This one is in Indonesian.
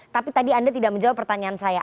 tapi tadi anda tidak menjawab pertanyaan saya